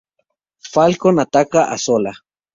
Falcon ataca a Zola.